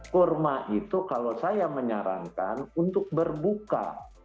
kurma itu kalau saya menyarankan untuk berbuka